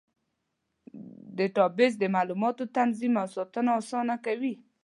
ډیټابیس د معلوماتو تنظیم او ساتنه اسانه کوي.